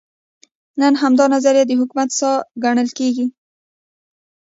نن همدا نظریه د حکومت ساه ګڼل کېږي.